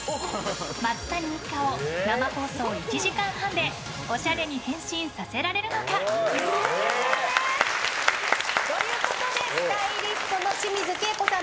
松谷一家を生放送１時間半でオシャレに変身させられるのか。ということでスタイリストの清水恵子さん